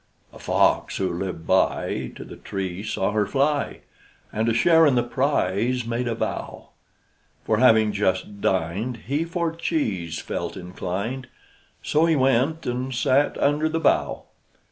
A fox, who lived by, To the tree saw her fly, And to share in the prize made a vow; For having just dined, He for cheese felt inclined, So he went and sat under the bough.